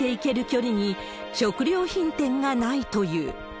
距離に食料品店がないという。